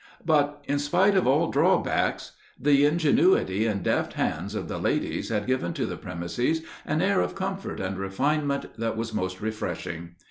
But, in spite of all drawbacks, the ingenuity and deft hands of the ladies had given to the premises an air of comfort and refinement that was most refreshing.